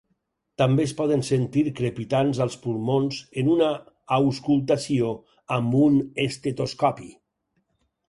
També es poden sentir crepitants als pulmons en una auscultació amb un estetoscopi.